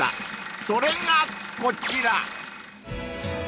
［それがこちら］